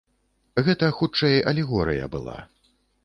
Гэта хутчэй алегорыя была.